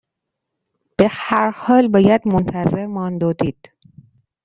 به هر حال باید منتظر ماند و دید